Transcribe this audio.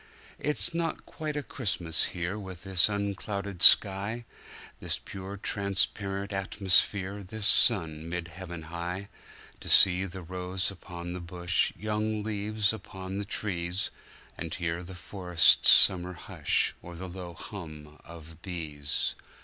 It is not quite a Christmas here with this unclouded sky, This pure transparent atmosphere, this sun mid heaven high; To see the rose upon the bush, young leaves upon the trees, And hear the forest's summer hush or the low hum of bees.